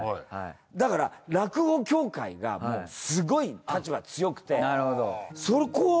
だから落語協会がすごい立場強くて。